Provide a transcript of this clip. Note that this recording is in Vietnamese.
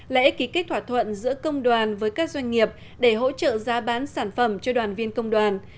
lễ ký kết thỏa thuận giữa công đoàn với các doanh nghiệp để hỗ trợ giá bán sản phẩm cho đoàn viên công đoàn